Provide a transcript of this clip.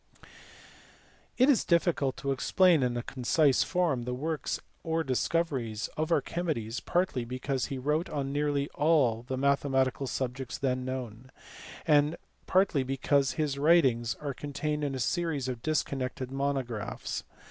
It is difficult to explain in a concise form the works or discoveries of Archimedes, partly because he wrote on nearly all the mathematical subjects then known, and partly because his writings are contained in a series of disconnected mono graphs.